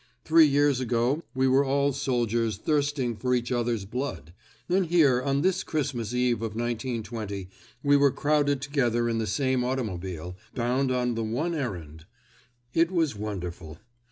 Three years ago we were all soldiers, thirsting for each other's blood; and here, on this Christmas Eve of 1920, we were crowded together in the same automobile, bound on the one errand. It was wonderful.